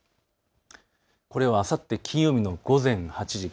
これはあさって金曜日の午前８時。